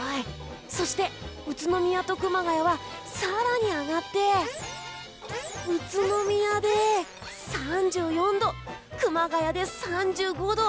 そして宇都宮と熊谷は更に上がって宇都宮で３４度、熊谷で３５度。